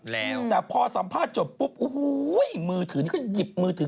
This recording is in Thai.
แต่พอสัมภาษณ์จบปุ๊บมือถือนี่ก็หยิบมือถือ